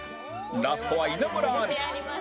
ラストは稲村亜美